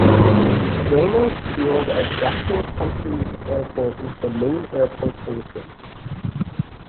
Reynolds Field at Jackson County Airport is the main airport for the city.